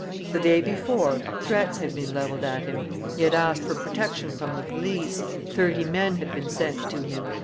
The day before, threats had been levelled at him; he had asked for protection from the police, thirty men had been sent to him.